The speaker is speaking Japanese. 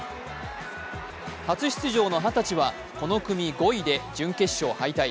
初出場の二十歳はこの組５位で準決勝敗退。